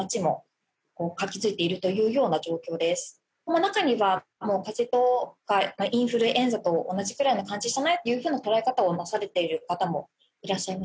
まあ中には風邪とかインフルエンザと同じくらいの感じじゃない？っていうような捉え方をなされている方もいらっしゃいますね。